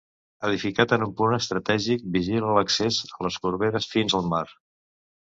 Edificat en un punt estratègic, vigila l'accés a les Corberes fins al mar.